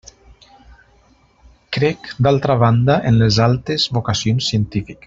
Crec, d'altra banda, en les altes vocacions científiques.